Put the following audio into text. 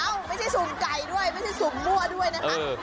เอ้าไม่ใช่สุ่มไก่ด้วยไม่ใช่สุ่มมั่วด้วยนะครับ